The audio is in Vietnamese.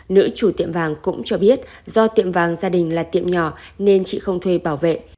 nữ chủ tiệm vàng cũng cho biết do tiệm vàng gia đình là tiệm nhỏ nên chị không thuê bảo vệ